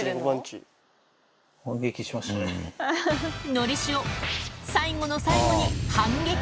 のりしお、最後の最後に反撃。